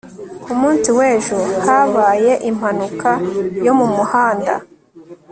ku munsi w'ejo habaye impanuka yo mu muhanda